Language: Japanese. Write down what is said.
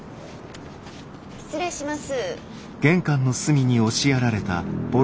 失礼します。